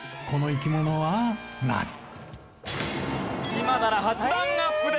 今なら８段アップです。